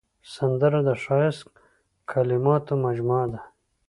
سندره د ښایسته کلماتو مجموعه ده